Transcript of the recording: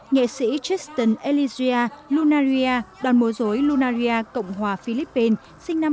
nghệ sĩ tristan elisia lunaria đoàn múa dối lunaria cộng hòa philippines sinh năm hai nghìn tám